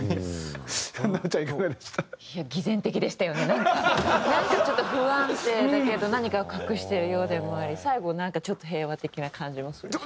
なんかちょっと不安定だけど何かを隠してるようでもあり最後なんかちょっと平和的な感じもするし。